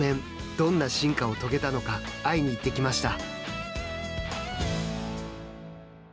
どんな進化を遂げたのか会いに行ってきました。